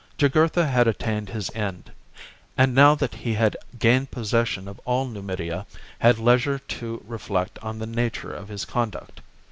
Jugurtha had attained his end ; and now that he had gained possession of all Numidia, had leisure to reflect on the nature of his conduct.